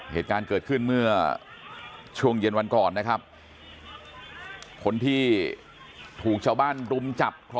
เหตุการณ์เกิดขึ้นเมื่อช่วงเย็นวันก่อนนะครับคนที่ถูกชาวบ้านรุมจับ